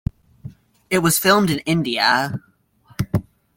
It was filmed in India.